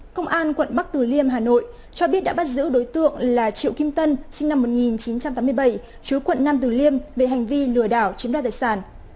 công an quận bắc từ liêm hà nội cho biết đã bắt giữ đối tượng là triệu kim tân sinh năm một nghìn chín trăm tám mươi bảy chú quận nam tử liêm về hành vi lừa đảo chiếm đoạt tài sản